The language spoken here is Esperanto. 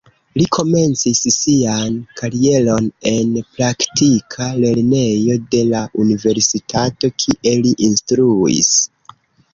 Li komencis sian karieron en praktika lernejo de la universitato, kie li instruis.